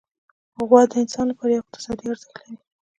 غوا د انسان لپاره یو اقتصادي ارزښت لري.